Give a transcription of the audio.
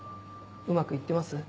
うまく行ってます？